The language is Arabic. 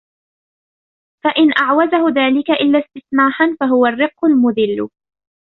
فَإِنْ أَعْوَزَهُ ذَلِكَ إلَّا اسْتِسْمَاحًا فَهُوَ الرِّقُّ الْمُذِلُّ